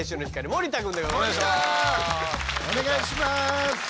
森田お願いします。